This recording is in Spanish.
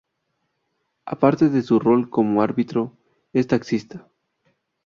A parte de su rol como árbitro, es taxista.